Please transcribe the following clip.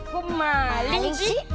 kok maling sih